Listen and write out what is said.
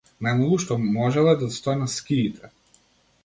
Најмногу што можел е да стои на скиите.